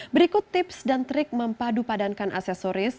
berikut tips dan trik mempadupadankan aksesoris